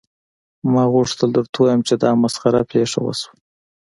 ما غوښتل درته ووایم چې دا مسخره پیښه وشوه